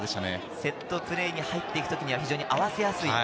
セットプレーに入っていく時には非常に合わせやすい。